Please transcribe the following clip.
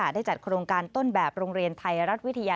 ได้จัดโครงการต้นแบบโรงเรียนไทยรัฐวิทยา